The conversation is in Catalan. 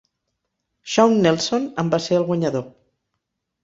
Shawn Nelson en va ser el guanyador.